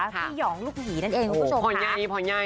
พี่หย่องลูกหี่นั่นเองคุณผู้ชมค่ะ